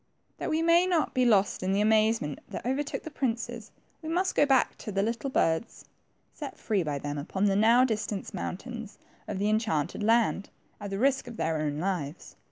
That we may not be lost in the amazement that overtook the princes, we must go back to the httle birds set free by them upon the now distant moun tains of the enchanted land, at the risk of their own lives.